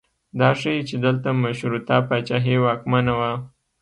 دا ښیي چې دلته مشروطه پاچاهي واکمنه وه.